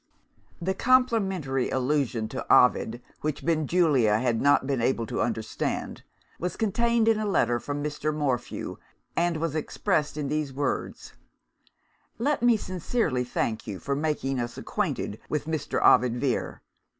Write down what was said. The complimentary allusion to Ovid, which Benjulia had not been able to understand, was contained in a letter from Mr. Morphew, and was expressed in these words: "Let me sincerely thank you for making us acquainted with Mr. Ovid Vere.